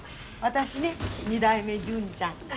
私ね２代目純ちゃん。